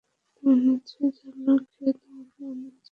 তুমি নিশ্চয়ই জানো কে তোমাকে বানিয়েছে?